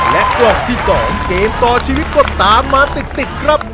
และกล่องที่๒เกมต่อชีวิตก็ตามมาติดครับ